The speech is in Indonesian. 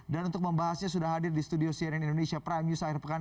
dan untuk membahasnya sudah hadir di studio cnn indonesia prime news akhir pekan